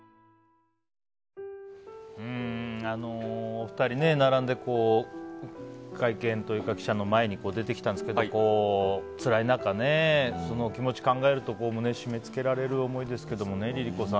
お二人並んで会見というか記者の前に出てきたんですがつらい中、その気持ちを考えると胸が締め付けられる思いですけどね。